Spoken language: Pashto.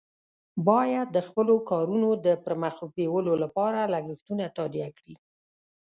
باید د خپلو کارونو د پر مخ بیولو لپاره لګښتونه تادیه کړي.